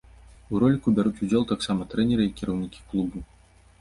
У роліку бяруць удзел таксама трэнеры і кіраўнікі клубу.